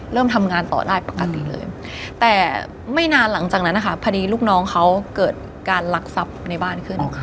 เริ่มทำงานต่อได้ปกติเลยแต่ไม่นานหลังจากนั้นนะคะพอดีลูกน้องเขาเกิดการลักทรัพย์ในบ้านขึ้น